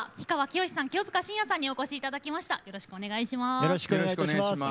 よろしくお願いします。